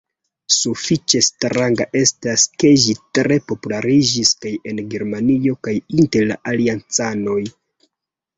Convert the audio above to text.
Sufiĉe stranga estas ke ĝi tre populariĝis kaj en Germanio kaj inter la aliancanoj.